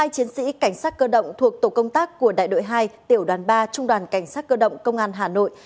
một mươi chiến sĩ cảnh sát cơ động thuộc tổ công tác của đại đội hai tiểu đoàn ba trung đoàn cảnh sát cơ động công an hà nội